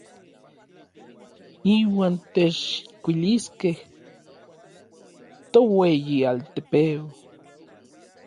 Iuan techkuiliskej toueyialtepeu.